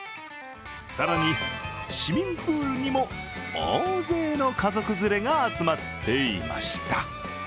更に、市民プールにも大勢の家族連れが集まっていました。